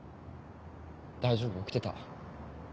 大丈夫起きてた。